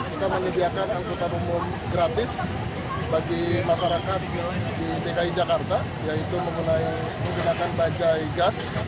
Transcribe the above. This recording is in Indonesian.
kita menyediakan angkutan umum gratis bagi masyarakat di dki jakarta yaitu menggunakan bajai gas